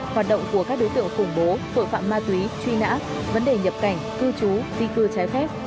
hoạt động của các đối tượng khủng bố tội phạm ma túy truy nã vấn đề nhập cảnh cư trú di cư trái phép